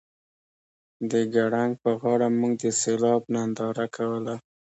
د ګړنګ په غاړه موږ د سیلاب ننداره کوله